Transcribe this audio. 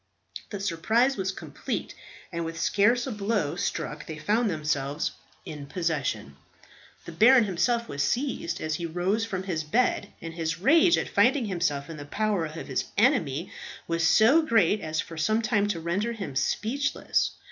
The surprise was complete, and with scarce a blow struck they found themselves in possession. The baron himself was seized as he rose from his bed, and his rage at finding himself in the power of his enemy was so great as for some time to render him speechless.